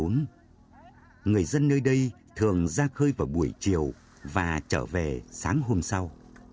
người dân nơi đây thường ra khơi vào buổi chiều và trở về sáng hôm sau